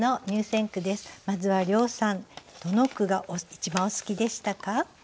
まずは涼さんどの句が一番お好きでしたか？